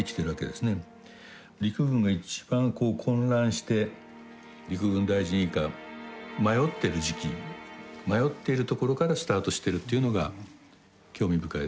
陸軍が一番こう混乱して陸軍大臣以下迷ってる時期迷っているところからスタートしてるというのが興味深いですねやはり。